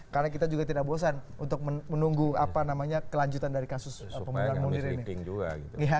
karena kita juga tidak bosan untuk menunggu kelanjutan dari kasus pemerintahan munir ini